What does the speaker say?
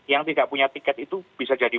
yang tidak punya tiket itu bisa jadi